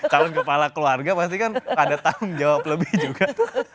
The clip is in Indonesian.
calon kepala keluarga pasti kan pada tahun jawab lebih juga